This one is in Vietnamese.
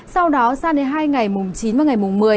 sau đó sang đến hai ngày mùng chín và ngày mùng một mươi